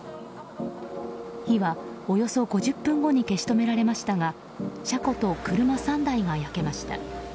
火はおよそ５０分後に消し止められましたが車庫と車３台が焼けました。